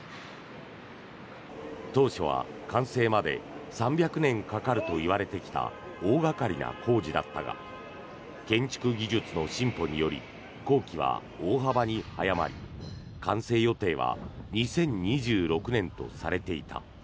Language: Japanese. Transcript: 当初は完成まで３００年かかるといわれてきた大掛かりな工事だったが建築技術の進歩により工期は大幅に早まり完成予定は２０２６年とされていた。